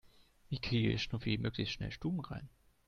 Wie kriege ich Schnuffi möglichst schnell stubenrein?